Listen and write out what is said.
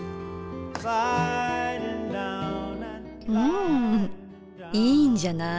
んいいんじゃない？